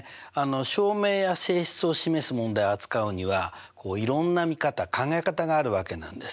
証明や性質を示す問題を扱うにはいろんな見方考え方があるわけなんです。